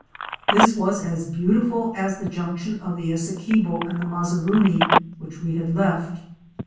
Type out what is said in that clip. This was as beauti ful as the junction of the Essequibo and the Mazaruni which we had left.